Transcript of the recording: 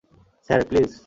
Sir, please!